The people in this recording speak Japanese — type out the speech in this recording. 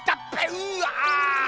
うわ。